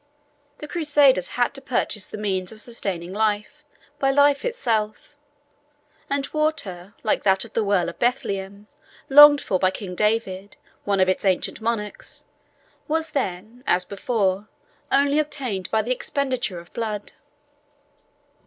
The Crusaders had to purchase the means of sustaining life, by life itself; and water, like that of the well of Bethlehem, longed for by King David, one of its ancient monarchs, was then, as before, only obtained by the expenditure of blood.